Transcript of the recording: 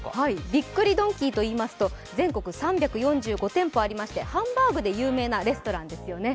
びっくりドンキーといいますと全国３４５店舗ありまして、ハンバークで有名なレストランですよね。